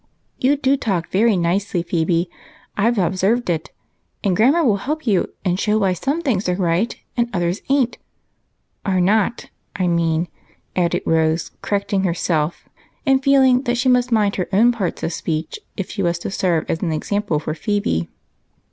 You do talk very nicely, Phebe, I 've observed it, and grammar will help you, and show why some things are right and others ain't, — are not, I mean," added Rose, correcting herself, and feeling that she must mind her own parts of speech if she was to serve as an example for Phebe.